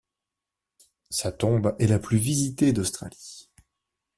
Sa tombe est la plus visitée d'Australie.